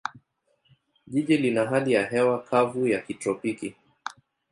Jiji lina hali ya hewa kavu ya kitropiki.